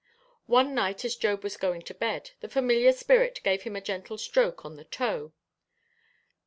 One night as Job was going to bed, the familiar spirit gave him a gentle stroke on the toe.